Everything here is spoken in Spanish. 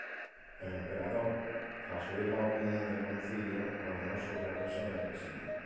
El emperador, tras oír la opinión del Concilio, ordenó su regreso del exilio.